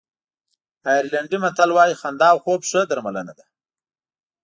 آیرلېنډي متل وایي خندا او خوب ښه درملنه ده.